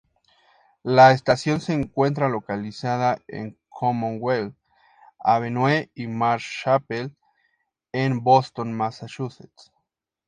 La estación se encuentra localizada en Commonwealth Avenue y Marsh Chapel en Boston, Massachusetts.